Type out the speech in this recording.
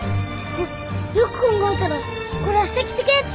あっよく考えたらこれあした着てくやつ。